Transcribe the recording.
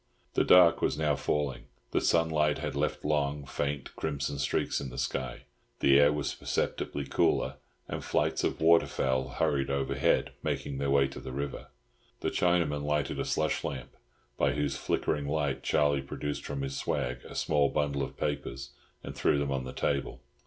The dark was now falling; the sunlight had left long, faint, crimson streaks in the sky. The air was perceptibly cooler, and flights of waterfowl hurried overhead, making their way to the river. The Chinaman lighted a slush lamp, by whose flickering light Charlie produced from his swag a small bundle of papers, and threw them on the table.